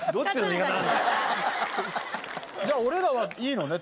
じゃあ俺らはいいのね。